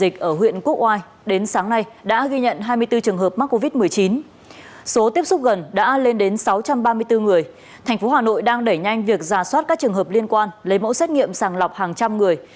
thành phố hà nội đang đẩy nhanh việc giả soát các trường hợp liên quan lấy mẫu xét nghiệm sàng lọc hàng trăm người